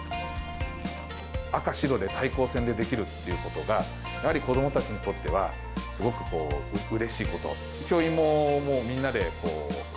赤白で対抗戦でできるっていうことが、やはり子どもたちにとってはすごくうれしいこと。